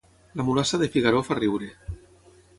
La mulassa de Figaró fa riure